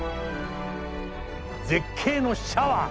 絶景のシャワー！